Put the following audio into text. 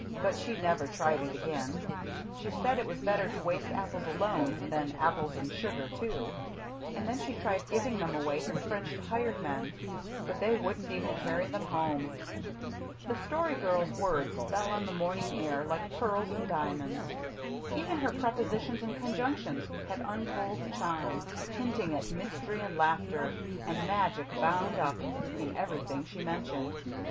But she never tried again. She said it was better to waste apples alone than apples and sugar too. And then she tried giving them away to the French hired men, but they wouldn't even carry them home." The Story Girl's words fell on the morning air like pearls and diamonds. Even her prepositions and conjunctions had untold charm, hinting at mystery and laughter and magic bound up in everything she mentioned.